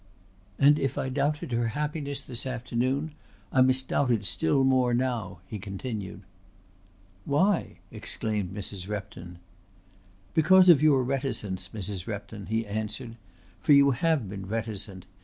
"And if I doubted her happiness this afternoon I must doubt it still more now," he continued. "Why?" exclaimed Mrs. Repton. "Because of your reticence, Mrs. Repton," he answered. "For you have been reticent.